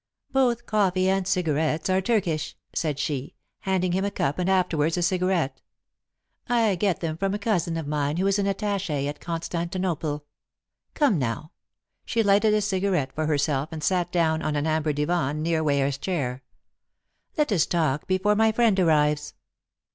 "Both coffee and cigarettes are Turkish," said she, handing him a cup and afterwards a cigarette. "I get them from a cousin of mine who is an attaché at Constantinople. Come now." She lighted a cigarette for herself and sat down on an amber divan near Ware's chair. "Let us talk before my friend arrives."